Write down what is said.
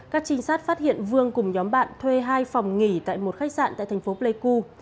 các trinh sát phát hiện vương cùng nhóm bạn thuê hai phòng nghỉ tại một khách sạn tại thành phố pleiku